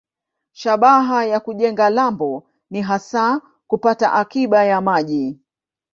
Shabaha ya kujenga lambo ni hasa kupata akiba ya maji.